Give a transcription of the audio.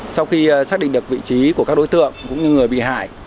sau khi xác định được vị trí của các đối tượng cũng như người bị hại